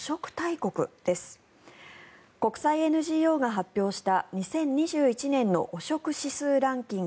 国際ＮＧＯが発表した２０２１年の汚職指数ランキング